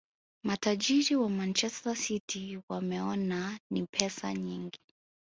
matajiri wa manchester city wameona ni pesa nyingi